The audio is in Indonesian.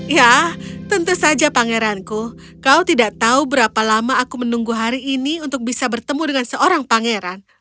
ya tentu saja pangeranku kau tidak tahu berapa lama aku menunggu hari ini untuk bisa bertemu dengan seorang pangeran